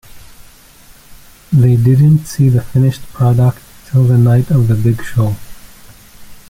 They didn't see the finished product till the night of the big show.